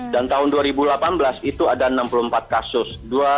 dan tahun dua ribu delapan belas itu ada enam puluh empat kasus